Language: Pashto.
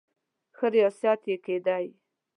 ښه ریاست یې کېدی.